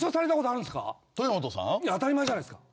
当たり前じゃないっすか。